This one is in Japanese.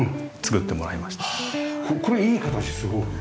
これいい形すごい。